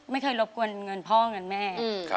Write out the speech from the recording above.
รบกวนเงินพ่อเงินแม่